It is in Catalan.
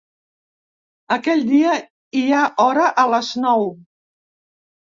Aquell dia hi ha hora a les nou.